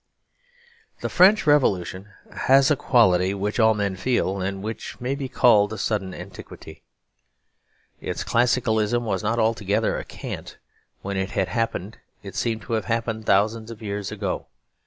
The French Revolution has a quality which all men feel; and which may be called a sudden antiquity. Its classicalism was not altogether a cant. When it had happened it seemed to have happened thousands of years ago.